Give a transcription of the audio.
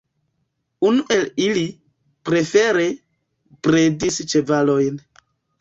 Unu el ili, prefere, bredis ĉevalojn.